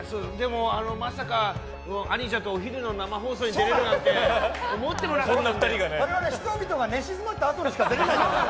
まさか兄じゃとお昼の生放送に出れるなんて我々は人々が寝静まったあとにしか出れないんです。